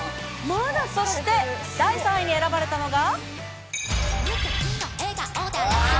そして第３位に選ばれたのが。